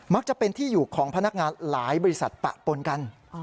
จะเป็นที่อยู่ของพนักงานหลายบริษัทปะปนกัน